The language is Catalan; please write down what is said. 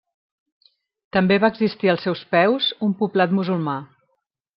També va existir als seus peus, un poblat musulmà.